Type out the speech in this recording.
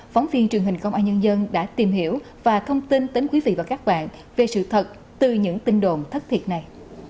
phóng viên truyền hình công an nhân dân đã tìm hiểu và thông tin đến quý vị và các bạn về sự thật từ những tin đồn thất thiệt này